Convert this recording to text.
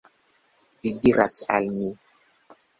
Vi diras al mi